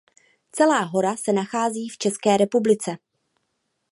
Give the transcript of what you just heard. Celá hora se nachází v České republice.